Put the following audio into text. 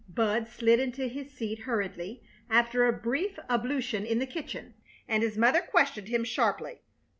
Bud slid into his seat hurriedly after a brief ablution in the kitchen, and his mother questioned him sharply.